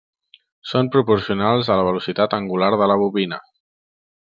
Són proporcionals a la velocitat angular de la bobina.